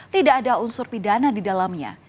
tidak ada unsur pidana di dalamnya